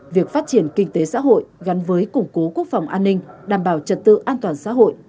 việc phát triển kinh tế xã hội gắn với củng cố quốc phòng an ninh đảm bảo trật tự an toàn xã hội